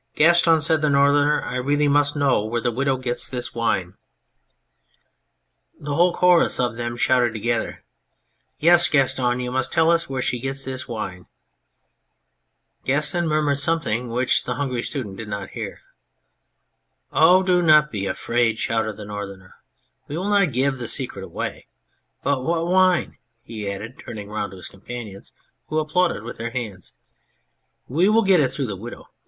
" Gaston," said the Northerner, " I really must know where the Widow gets this wine !" 178 The Hungry Student The whole chorus of them shouted together :" Yes, Gaston, you must tell us where she gets this wine !" Gaston murmured something which the Hungry Student did not hear. " Oh, do not be afraid," shouted the Northerner, " we will not give the secret away. But what wine !" he added, turning round to his companions, who applauded with their hands. " We will get it through the Widow.